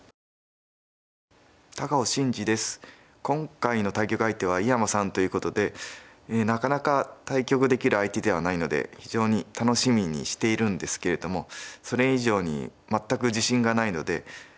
今回の対局相手は井山さんということでなかなか対局できる相手ではないので非常に楽しみにしているんですけれどもそれ以上に全く自信がないので。